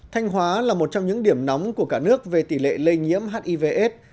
thanh hóa là một trong những điểm nóng của cả nước về tỷ lệ lây nhiễm hiv aids